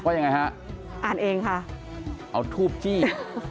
ว่าอย่างไรฮะอ่านเองค่ะเอาทูปจี้